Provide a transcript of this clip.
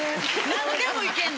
何でもいけんの？